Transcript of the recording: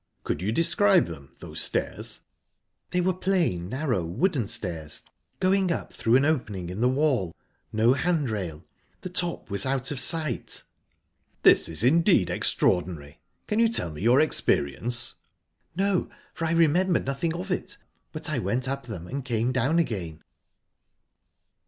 "Could you describe them those stairs?" "The were plain, narrow, wooden stairs, going up through an opening in the wall; no handrail. The top was out of sight." "This is indeed extraordinary! Can you tell me your experience?" "No; for I remember nothing of it. But I went up them and came down again."